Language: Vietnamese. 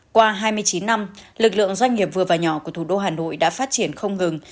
qua hai mươi chín năm lực lượng doanh nghiệp vừa và nhỏ của thủ đô hà nội đã phát triển không ngừng